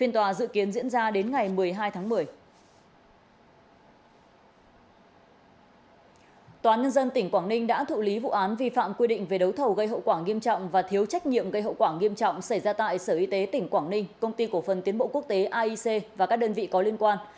tòa án nhân dân tỉnh quảng ninh đã thụ lý vụ án vi phạm quy định về đấu thầu gây hậu quả nghiêm trọng và thiếu trách nhiệm gây hậu quả nghiêm trọng xảy ra tại sở y tế tỉnh quảng ninh công ty cổ phân tiến bộ quốc tế aic và các đơn vị có liên quan